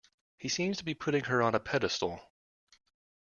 He seems to be putting her on a pedestal.